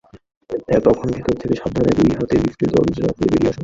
তখন ভেতর থেকে সাবধানে দুই হাতে লিফটের দরজা খুলে বেরিয়ে আসুন।